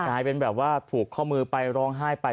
กลายเป็นแบบว่าผูกข้อมือไปร้องไห้ไป